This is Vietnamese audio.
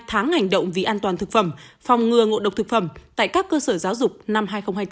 tháng hành động vì an toàn thực phẩm phòng ngừa ngộ độc thực phẩm tại các cơ sở giáo dục năm hai nghìn hai mươi bốn